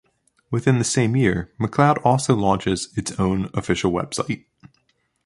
Within the same year, McCloud also launches its own official website.